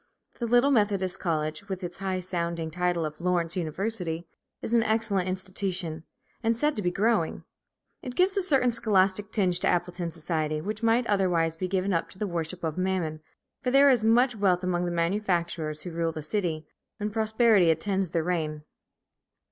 The little Methodist college, with its high sounding title of Lawrence University, is an excellent institution, and said to be growing; it gives a certain scholastic tinge to Appleton society, which might otherwise be given up to the worship of Mammon, for there is much wealth among the manufacturers who rule the city, and prosperity attends their reign.